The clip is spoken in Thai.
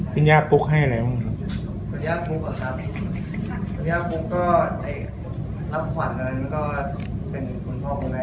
คุณย่าปุ๊กให้อะไรผม